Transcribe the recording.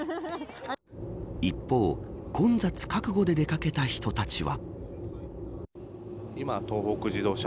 一方、混雑覚悟で出掛けた人たちは。